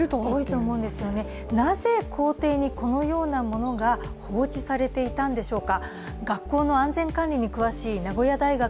なぜ校庭に、このようなものが放置されていたんでしょうか。